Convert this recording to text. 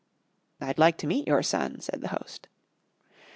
"I'd like to meet your son," said the host.